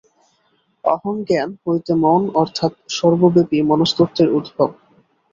অহংজ্ঞান হইতে মন অর্থাৎ সর্বব্যাপী মনস্তত্ত্বের উদ্ভব।